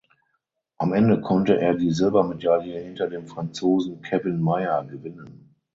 Am Ende konnte er die Silbermedaille hinter dem Franzosen Kevin Mayer gewinnen.